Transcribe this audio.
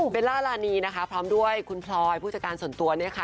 เบลล่ารานีพร้อมด้วยคุณพลอยผู้จัดการส่วนตัว